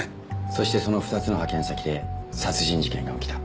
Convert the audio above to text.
そしてその２つの派遣先で殺人事件が起きた。